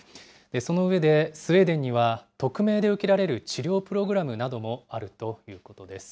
その上で、スウェーデンには、匿名で受けられる治療プログラムなどもあるということです。